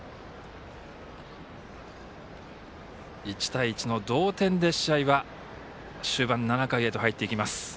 １対１の同点で試合は終盤７回へと入っていきます。